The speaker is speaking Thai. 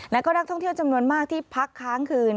แล้วก็นักท่องเที่ยวจำนวนมากที่พักค้างคืน